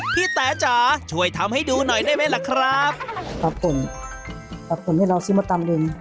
พี่แต่จ๋าช่วยทำให้ดูหน่อยได้ไหมล่ะครับปรับปรุ่นปรับปรุ่นให้เราซื้อมาตำดิน